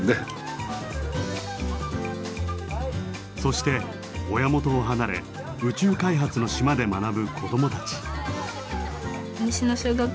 そして親元を離れ宇宙開発の島で学ぶ子どもたち。